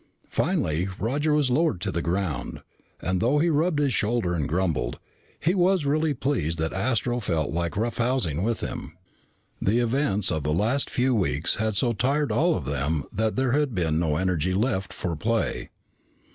Finally Roger was lowered to the ground, and, though he rubbed his shoulder and grumbled, he was really pleased that Astro felt like roughhousing with him. The events of the last few weeks had so tired all of them that there had been no energy left for play.